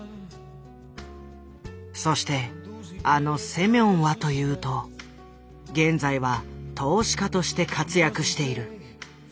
そしてあのセミョンはというと現在は投資家として活躍している。